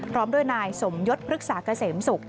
พร้อมด้วยนายสมยศพฤกษาเกษมศุกร์